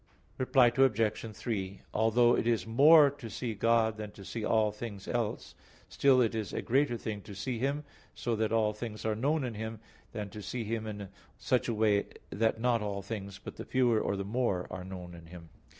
Reply Obj. 3: Although it is more to see God than to see all things else, still it is a greater thing to see Him so that all things are known in Him, than to see Him in such a way that not all things, but the fewer or the more, are known in Him.